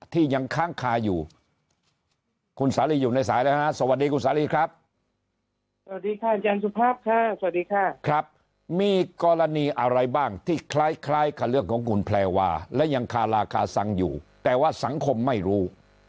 ยังค้างคาอยู่คุณสาลีอยู่ในสายแล้วฮะสวัสดีคุณสาลีครับสวัสดีค่ะอาจารย์สุภาพค่ะสวัสดีค่ะครับมีกรณีอะไรบ้างที่คล้ายคล้ายกับเรื่องของคุณแพรวาและยังคาราคาซังอยู่แต่ว่าสังคมไม่รู้